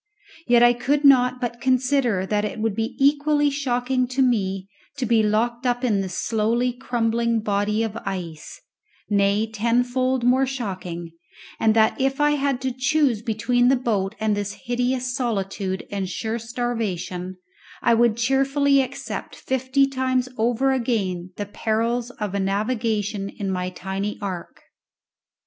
Yet I could not but consider that it would be equally shocking to me to be locked up in this slowly crumbling body of ice nay, tenfold more shocking, and that, if I had to choose between the boat and this hideous solitude and sure starvation, I would cheerfully accept fifty times over again the perils of a navigation in my tiny ark.